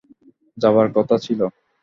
যাবার কথা ছিল।